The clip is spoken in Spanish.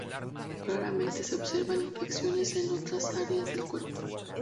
Raramente se observan infecciones en otras áreas del cuerpo.